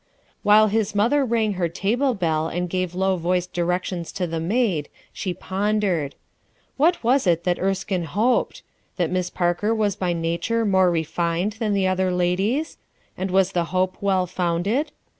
While his mother rang her table bell and gave low voiced directions to the maid, she pondered. What was it that Erskine hoped? That Miss Parker was by nature more refined than the other ladies? And was the hope well founded?